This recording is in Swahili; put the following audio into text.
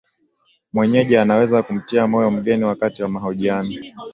mwenyeji anaweza kumtia moyo mgeni wakati wa mahojiano